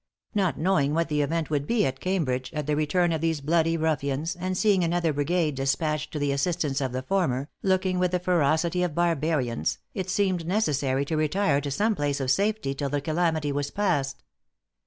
Not knowing what the event would be at Cambridge, at the return of these bloody ruffians, and seeing another brigade dispatched to the assistance of the former, looking with the ferocity of barbarians, it seemed necessary to retire to some place of safety till the calamity was passed.